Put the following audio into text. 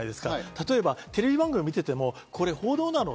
例えばテレビ番組を見ていても、これ報道なの？